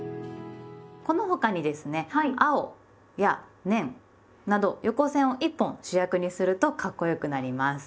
この他にですね「青」や「年」など横線を１本主役にするとかっこよくなります。